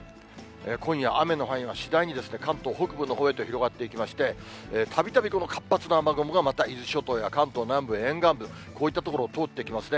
今夜雨の範囲は次第に関東北部のほうへと広がっていきまして、たびたびこの活発な雨雲がまた伊豆諸島や関東南部、沿岸部、こういった所を通っていきますね。